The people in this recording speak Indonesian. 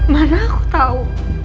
mana aku tahu